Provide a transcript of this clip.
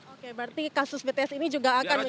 oke berarti kasus bts ini juga akan